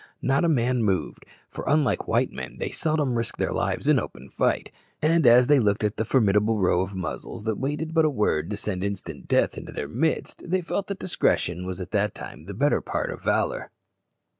Not a man moved, for, unlike white men, they seldom risk their lives in open fight; and as they looked at the formidable row of muzzles that waited but a word to send instant death into their midst, they felt that discretion was at that time the better part of valour.